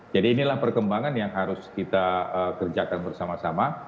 jadi inilah perkembangan yang harus kita kerjakan bersama sama